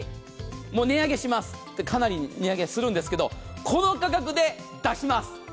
値上げします、かなり値上げするんですけれども、この価格で出します。